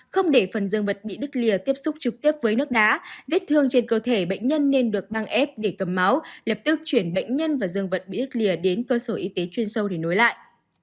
không để phần dương vật bị đứt lìa tiếp xúc trực tiếp với nước đá vết thương trên cơ thể bệnh nhân nên được băng ép để cầm máu lập tức chuyển bệnh nhân và dương vật bị đứt lìa đến cơ sở y tế chuyên sâu để nối lại